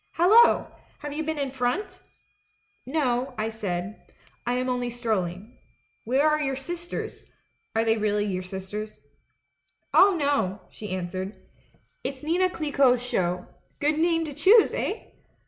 'Hallo! Have you been in front ?' "'No,' I said; 'I am only strolling. Where are your sisters — are they really your sisters?' " 'Oh, no,' she answered. 'It's Nina Clicquot's show — good name to choose, eh?